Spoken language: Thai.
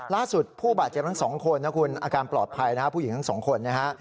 ล่าสุดผู้บาดเจ็บทั้งสองคนนะคุณอาการปลอดภัยนะฮะผู้หญิงทั้งสองคนนะฮะ